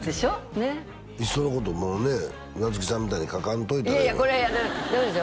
ねっいっそのこともうね夏木さんみたいに描かんといたらええいやいやこれはダメですよ